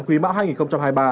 quý mão hai nghìn hai mươi ba